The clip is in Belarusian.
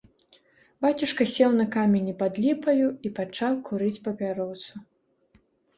Бацюшка сеў на камені пад ліпаю і пачаў курыць папяросу.